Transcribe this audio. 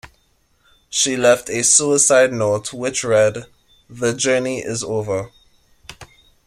She left a suicide note, which read: The journey is over.